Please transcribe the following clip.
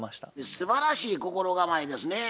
すばらしい心構えですねぇ。